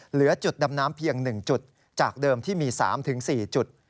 เหลือจุดดำน้ำเพียง๑จุดจากเดิมที่มี๓๔จุด